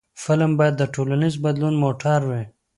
فلم باید د ټولنیز بدلون موټر وي